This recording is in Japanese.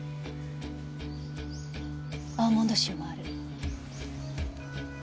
アーモンド臭もある。